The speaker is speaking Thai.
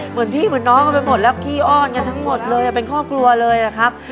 เหมือนพี่เหมือนน้องไปหมดแล้วกี้อ้อนอย่างนั้นทั้งหมดเลยอะเป็นข้อเกราะเลยอะครับ